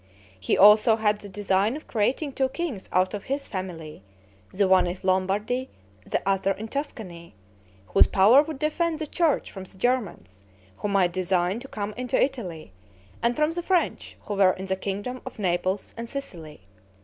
He also had the design of creating two kings out of his family, the one in Lombardy, the other in Tuscany, whose power would defend the church from the Germans who might design to come into Italy, and from the French, who were in the kingdom of Naples and Sicily.